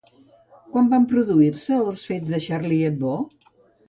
Quan van produir-se els fets de Charlie Hebdo?